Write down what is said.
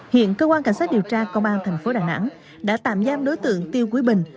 hiện cơ quan cảnh sát điều tra công an thành phố đà nẵng đã tạm giam đối tượng tiêu quý bình